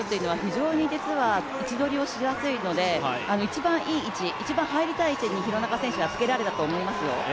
アウトコースからのスタートというのは非常に位置取りをしやすいので一番いい位置、一番入りたい位置に廣中選手はつけられたと思いますよ。